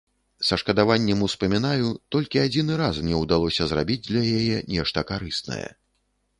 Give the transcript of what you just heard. Са шкадаваннем успамінаю, толькі адзіны раз мне ўдалося зрабіць для яе нешта карыснае.